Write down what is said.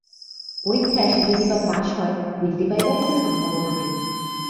পরীক্ষায় সে যদি বা পাশ হয় বৃত্তি পাইবার কোনো সম্ভাবনা নাই।